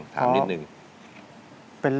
๒ครับ